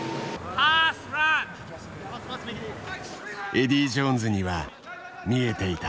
エディー・ジョーンズには見えていた。